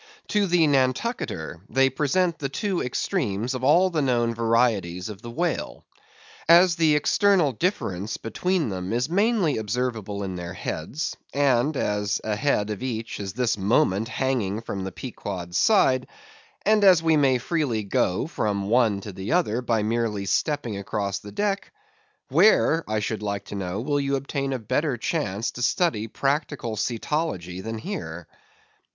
To the Nantucketer, they present the two extremes of all the known varieties of the whale. As the external difference between them is mainly observable in their heads; and as a head of each is this moment hanging from the Pequod's side; and as we may freely go from one to the other, by merely stepping across the deck:—where, I should like to know, will you obtain a better chance to study practical cetology than here?